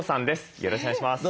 よろしくお願いします。